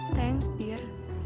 terima kasih sayang